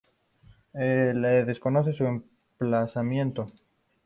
Se desconoce su emplazamiento.